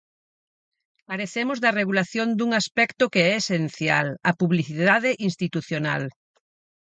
Carecemos da regulación dun aspecto que é esencial: a publicidade institucional.